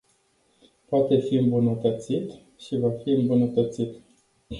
Poate fi îmbunătățit - și va fi îmbunătățit.